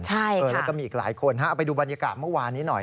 แล้วก็มีอีกหลายคนฮะเอาไปดูบรรยากาศเมื่อวานนี้หน่อย